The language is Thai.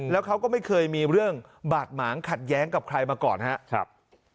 แล้วเขาก็ไม่เคยมีเรื่องบาดหมางขัดแย้งกับใครมาก่อนครับ